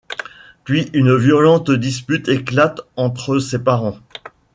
Puis, une violente dispute éclate entre ses parents.